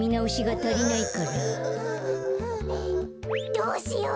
どうしよう。